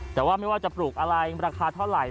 แต่ว่าไม่ว่าจะปลูกอะไรราคาเท่าไหร่